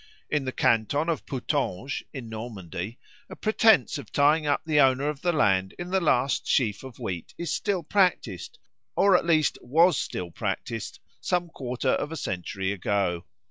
In the canton of Putanges, in Normandy, a pretence of tying up the owner of the land in the last sheaf of wheat is still practised, or at least was still practised some quarter of a century ago.